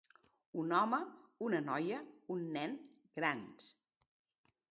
Un home, una noia, un nen, grans.